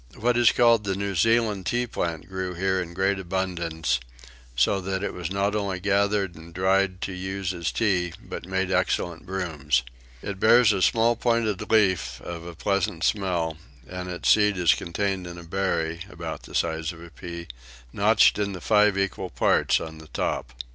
What is called the New Zealand tea plant grew here in great abundance; so that it was not only gathered and dried to use as tea but made excellent brooms. It bears a small pointed leaf of a pleasant smell, and its seed is contained in a berry, about the size of a pea, notched into five equal parts on the top.